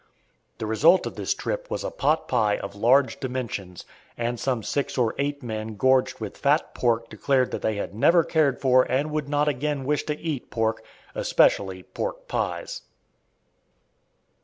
The result of the trip was a "pot pie" of large dimensions; and some six or eight men gorged with fat pork declared that they had never cared for and would not again wish to eat pork, especially pork pies.